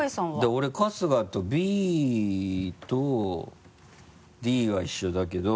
俺春日とＢとＤは一緒だけど。